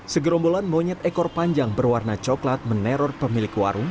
segerombolan monyet ekor panjang berwarna coklat meneror pemilik warung